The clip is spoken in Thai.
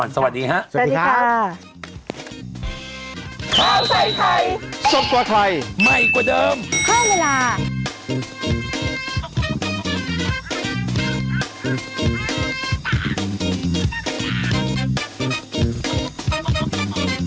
สวัสดีค่ะ